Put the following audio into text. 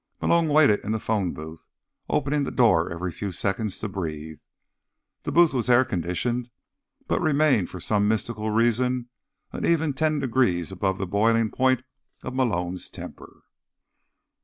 Malone waited in the phone booth, opening the door every few seconds to breathe. The booth was air conditioned, but remained for some mystical reason an even ten degrees above the boiling point of Malone's temper.